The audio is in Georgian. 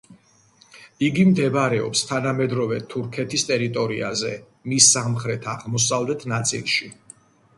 იგი მდებარეობს თანამედროვე თურქეთის ტერიტორიაზე, მის სამხრეთ-აღმოსავლეთ ნაწილში.